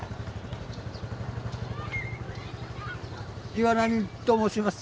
岩波と申します。